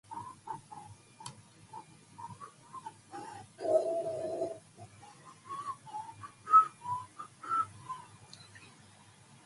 The dorsal fin is also less erect and triangular.